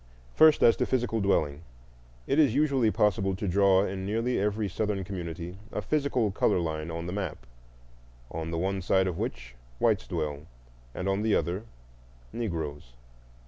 First, as to physical dwelling. It is usually possible to draw in nearly every Southern community a physical color line on the map, on the one side of which whites dwell and on the other Negroes.